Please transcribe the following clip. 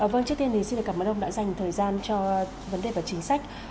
vâng trước tiên thì xin cảm ơn ông đã dành thời gian cho vấn đề và chính sách